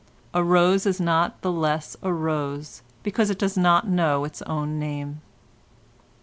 A rose is not the less a rose because it does not know its own name.